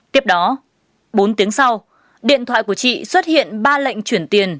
tiếp đó bốn tiếng sau điện thoại của chị xuất hiện ba lệnh chuyển tiền